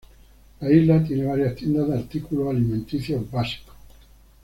La isla tiene varias tiendas de artículos alimenticios básicos.